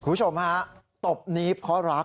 คุณผู้ชมฮะตบนี้เพราะรัก